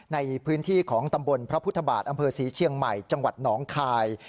ในพื้นที่ของตำบลพระพุทธบาทอำเภอศรีเชียงใหม่จังหวัดหนองคาย